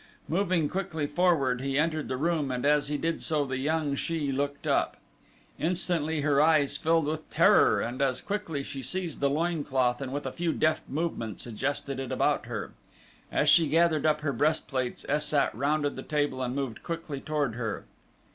Moving quickly forward he entered the room and as he did so the young she looked up. Instantly her eyes filled with terror and as quickly she seized the loin cloth and with a few deft movements adjusted it about her. As she gathered up her breastplates Es sat rounded the table and moved quickly toward her.